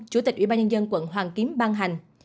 chủ tịch ủy ban nhân dân quận hoàn kiếm ban hành